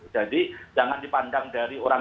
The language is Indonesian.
jadi jangan dipandang dari orang